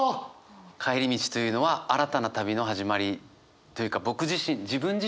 帰り道というのは新たな旅の始まりというか僕自身桐山君は？